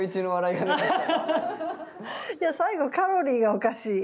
いや最後「カロリー」がおかしい。